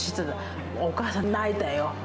お母さん泣いたよ。